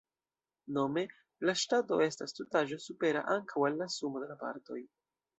Nome, la Ŝtato estas tutaĵo supera ankaŭ al la sumo de la partoj.